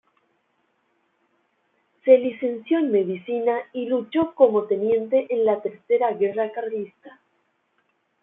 Se licenció en medicina y luchó como teniente en la Tercera Guerra Carlista.